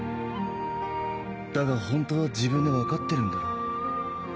だがホントは自分で分かってるんだろ？